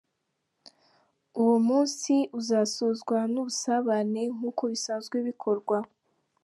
Uwo munsi uzasozwa n’ubusabane nk’uko bisanzwe bikorwa.